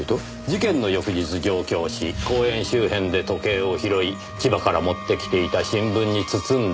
事件の翌日上京し公園周辺で時計を拾い千葉から持ってきていた新聞に包んで隠した。